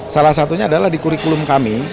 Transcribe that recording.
salah satunya adalah di kurikulum kami